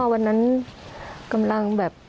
วันนั้นกำลังแบบ